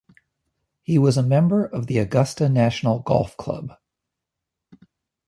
He was a member of the Augusta National Golf Club.